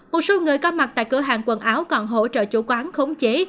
một số người có mặt tại cửa hàng quần áo còn hỗ trợ chủ quán khống chế